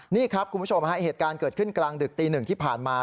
นี่ครับคุณผู้ชมฮะเหตุการณ์เกิดขึ้นกลางดึกตีหนึ่งที่ผ่านมา